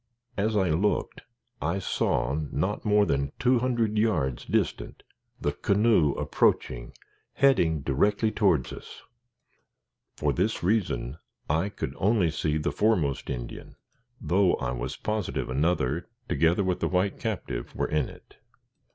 As I looked, I saw, not more than two hundred yards distant the canoe approaching, heading directly towards us. For this reason, I could only see the foremost Indian, though I was positive another, together with the white captive, were in it.